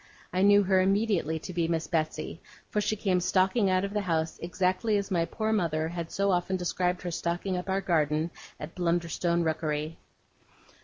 I knew her immediately to be Miss Betsey, for she came stalking out of the house exactly as my poor mother had so often described her stalking up our garden at Blunderstone Rookery.